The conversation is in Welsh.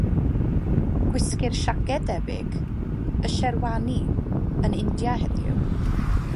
Gwisgir siaced debyg, y sherwani, yn India heddiw.